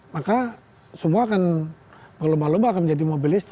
maka semua akan berlomba lomba akan menjadi mobil listrik